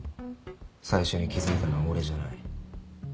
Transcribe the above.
最初に気付いたのは俺じゃない。